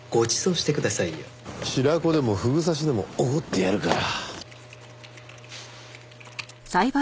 白子でもフグ刺しでもおごってやるから。